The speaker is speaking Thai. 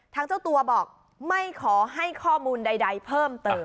เจ้าตัวบอกไม่ขอให้ข้อมูลใดเพิ่มเติม